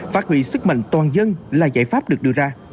phát huy sức mạnh toàn dân là giải pháp được đưa ra